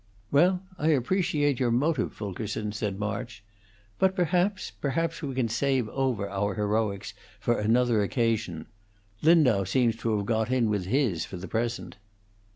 "Well, I appreciate your motive, Fulkerson," said March. "But perhaps perhaps we can save over our heroics for another occasion. Lindau seems to have got in with his, for the present."